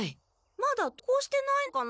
まだ登校してないのかな？